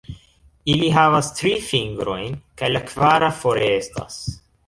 Ili havas tri fingrojn, kaj la kvara forestas.